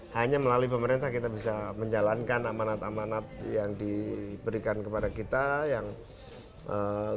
hanya melalui pemerintah kita bisa menjalankan amanat amanat yang diberikan kepada kita